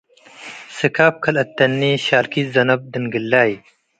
ስካብ ከልአተኒ ሻልኪት ዘነብ ድንግላይ